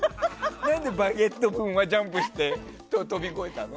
何で「バゲット」はジャンプして飛び越えたの？